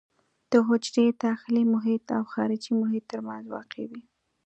د حجرې داخلي محیط او خارجي محیط ترمنځ واقع وي.